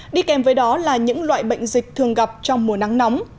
đi kèm với đó là những loại bệnh dịch thường gặp trong mùa nắng nóng